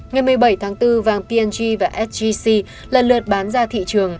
ngày một mươi bảy tháng bốn vàng p g và sgc lần lượt bán ra thị trường